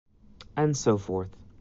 And so forth.